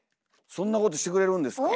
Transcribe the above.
そんなことしてくれるんですか。